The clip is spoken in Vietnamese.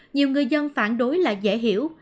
nhiều người dân phản đối là dễ hiểu